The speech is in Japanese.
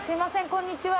こんにちは。